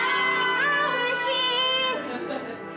あうれしい。